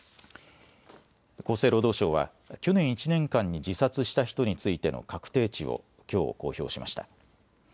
厚生労働省は去年１年間に自殺した人についての確定値をきょう、公表しました。